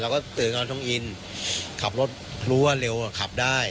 ก็เตือนว่าน้องอินขับรถรู้ว่าเร็วขับได้